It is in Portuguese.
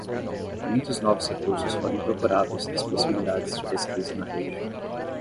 Muitos novos recursos foram incorporados nas possibilidades de pesquisa na rede.